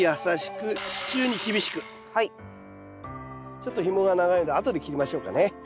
ちょっとひもが長いのであとで切りましょうかね。